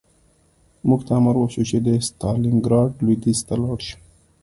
موږ ته امر وشو چې د ستالینګراډ لویدیځ ته لاړ شو